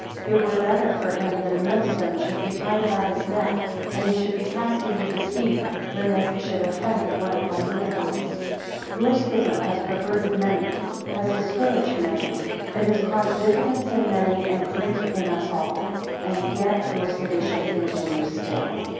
It were better for him, that a mill stone should be tied about his neck, and he should be cast into the sea, than that he should offend one of my little ones. 19 Your schism has perverted many, has discouraged many: it has caused diffidence in many, and grief in us all. And yet your sedition continues still.